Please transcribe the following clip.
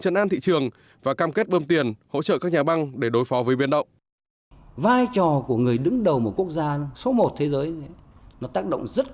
chân an thị trường và cam kết bơm tiền hỗ trợ các nhà băng để đối phó với biến động